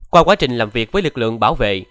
qua quá trình làm việc với lực lượng bảo vệ